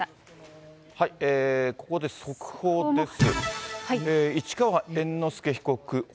ここで速報です。